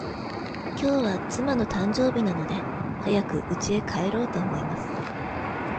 きょうは妻の誕生日なので、早くうちへ帰ろうと思います。